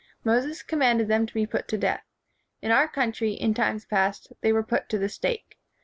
Moses commanded them to be put to death. In our own coun try, in times past, they were put to the stake.